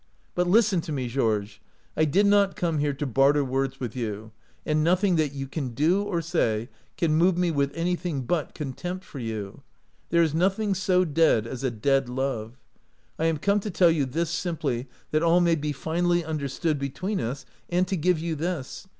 But — listen to me, Georges — I did not come here to bar ter words with you, and nothing that you can do or say can move me with anything but contempt for you. There is nothing so dead as a dead love. I am come to tell you this simply that all may be finally understood between us, and to give you this."